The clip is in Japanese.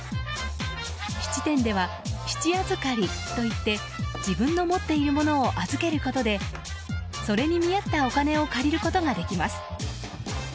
質店では、質預かりといって自分の持っているものを預けることでそれに見合ったお金を借りることができます。